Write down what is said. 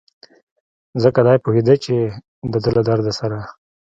ځکه دی پوهېده چې دده له درد سره.